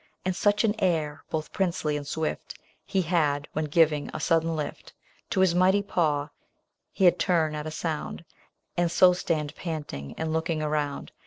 And such an air, both princely and swift. He had, when giving a sudden lift To his mighty paw, he'd turn at a sound. And so stand panting and looking around.